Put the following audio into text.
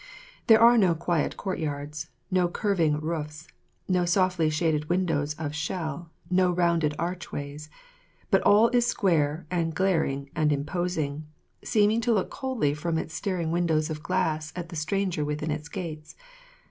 There are no quiet courtyards, no curving roofs, no softly shaded windows of shell, no rounded archways; but all is square and glaring and imposing, seeming to look coldly from its staring windows of glass at the stranger within its gates.